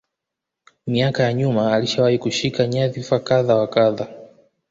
Miaka ya nyuma alishawahi kushika nyandhifa kadha wa kadha